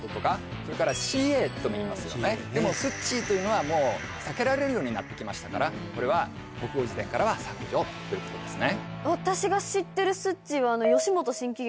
ともいいますよねでも「スッチー」というのはもう避けられるようになってきましたからこれは国語辞典からは削除ということですね。